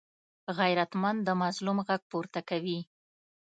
غیرتمند د مظلوم غږ پورته کوي